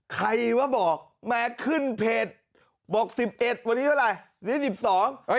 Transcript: ใครว่าบอกแม้ขึ้นเพจบอก๑๑วันนี้เท่าไรวันนี้๑๒